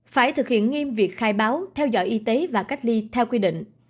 phải thực hiện nghiêm việc khai báo theo dõi y tế và cách ly theo quy định